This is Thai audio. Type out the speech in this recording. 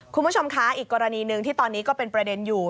คุณผู้ชมคะอีกกรณีหนึ่งที่ตอนนี้ก็เป็นประเด็นอยู่